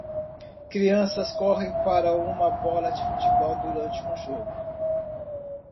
Crianças correm para uma bola de futebol durante um jogo.